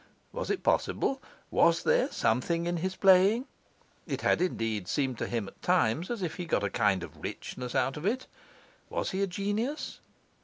Was it possible? Was there something in his playing? It had, indeed, seemed to him at times as if he got a kind of a richness out of it. Was he a genius?